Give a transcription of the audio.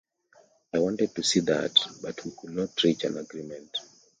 I wanted to see that, but we couldn't reach an agreement.